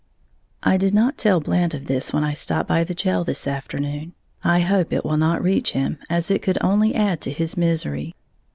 I did not tell Blant of this when I stopped by the jail this afternoon, I hope it will not reach him, as it could only add to his misery.